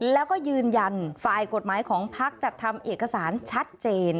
แล้วก็ยืนยันฝ่ายกฎหมายของพักจัดทำเอกสารชัดเจน